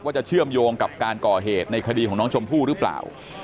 จะเชื่อมโยงกับการก่อเหตุในคดีของน้องชมพู่หรือเปล่า